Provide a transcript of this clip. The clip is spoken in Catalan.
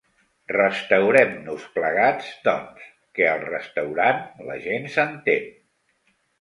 Restaurem-nos plegats, doncs, que al restaurant la gent s'entén.